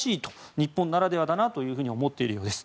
日本ならではだなと思っているそうです。